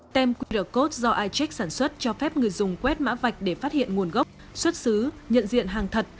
tem qr code do icheck sản xuất cho phép người dùng quét mã vạch để phát hiện nguồn gốc xuất xứ nhận diện hàng thật